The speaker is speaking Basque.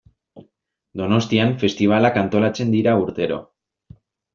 Donostian festibalak antolatzen dira urtero.